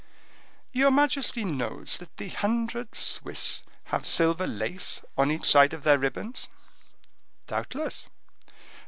"Your majesty knows that the hundred Swiss have silver lace on each side of their ribbons?" "Doubtless."